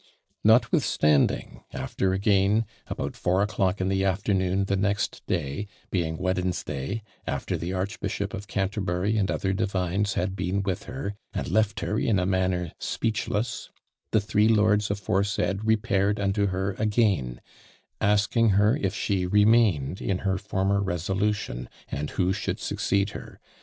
"Notwithstanding, after again, about four o'clock in the afternoon the next day, being Wednesday, after the Archbishop of Canterbury and other divines had been with her, and left her in a manner speechless, the three lords aforesaid repaired unto her again, asking her if she remained in her former resolution, and who should succeed her?